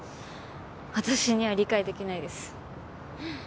私には理解できないです。